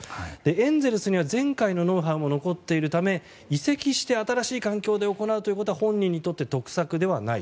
エンゼルスには前回のノウハウも残っているため移籍して新しい環境で行うということは本人にとって得策ではない。